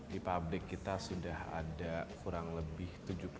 di pabrik kita sudah ada kurang lebih tujuh puluh